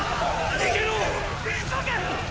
逃げろっ！！